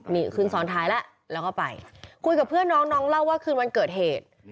นี่ขึ้นซ้อนท้ายแล้วแล้วก็ไปคุยกับเพื่อนน้องน้องเล่าว่าคืนวันเกิดเหตุ